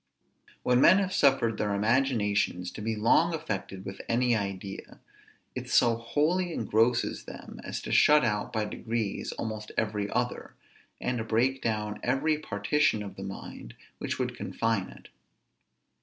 When men have suffered their imaginations to be long affected with any idea, it so wholly engrosses them as to shut out by degrees almost every other, and to break down every partition of the mind which would confine it.